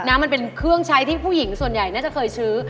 มันเป็นเครื่องใช้ที่ผู้หญิงส่วนใหญ่น่าจะเคยซื้อ